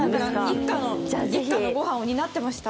一家のご飯を担ってました。